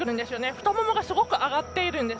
太ももが、すごい上がっているんです。